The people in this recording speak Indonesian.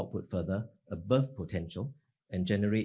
untuk penguasa kebijakan yang berat